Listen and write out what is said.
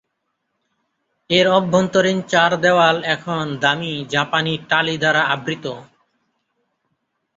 এর অভ্যন্তীণ চার দেওয়াল এখন দামি জাপানি টালি দ্বারা আবৃত।